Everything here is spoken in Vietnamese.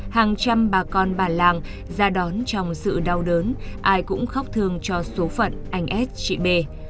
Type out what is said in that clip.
hàng trăm bà con bà làng ra đón trong sự đau đớn ai cũng khóc thương cho số phận anh s chị bê